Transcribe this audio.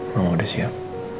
mama udah siap